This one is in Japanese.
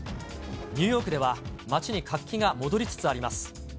ニューヨークでは街に活気が戻りつつあります。